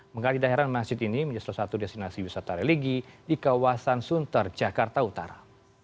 menggali daerah masjid ini menjadi salah satu destinasi wisata religi di kawasan sunter jakarta utara